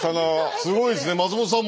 すごいですね松本さんも。